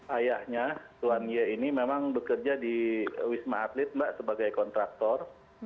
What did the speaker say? ayahnya tuan ye ini memang bekerja di wisma atlet mbak sebagai kontraktor